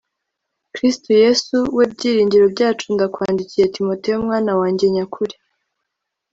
Kristo Yesu we byiringiro byacu ndakwandikiye Timoteyo mwana wanjye nyakuri